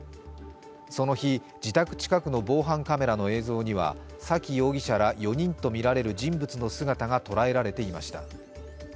その日、自宅近くの防犯カメラの映像には沙喜容疑者ら４人とみられる人物の姿が捉えられていました。